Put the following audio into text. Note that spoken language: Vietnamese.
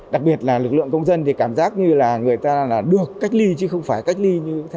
đặc biệt là lực lượng công dân thì cảm giác như là người ta là được cách ly chứ không phải cách ly